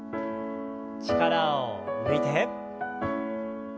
力を抜いて。